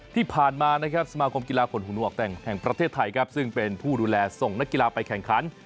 ที่ผ่านมานะครับสมาคมกีฬาขนหุ่นออกแต่งแห่งประเทศไทยครับซึ่งเป็นผู้ดูแลส่งนักกีฬาไปแข่งขัน